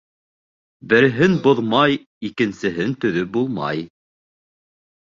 Береһен боҙмай, икенсеһен төҙөп булмай.